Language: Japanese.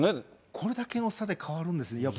これだけの差で変わるんですね。